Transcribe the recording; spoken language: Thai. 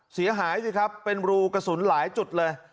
เสียหายสิครับเป็นรูกระสุนหลายจุดเลย